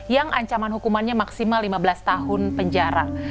yang ancaman hukumannya maksimal lima belas tahun penjara